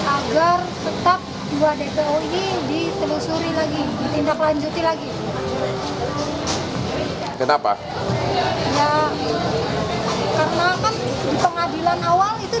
agar tetap dua dpo ini ditelusuri lagi ditindaklanjuti lagi ya karena kan di pengadilan awal itu